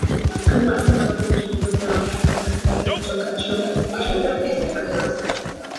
kama ambavyo mchambuzi wa maswala ya siasa kutoka chuo kikuu cha dare s salaam